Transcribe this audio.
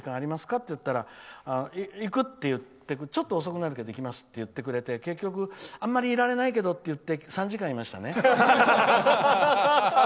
って言ったらちょっと遅くなるけど行きますって言ってくれて結局あまりいられないけどって言って３時間ぐらいいましたね。